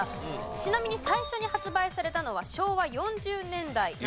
ちなみに最初に発売されたのは昭和４０年代なんです。